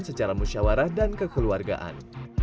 secara musyawarah dan kekeluargaan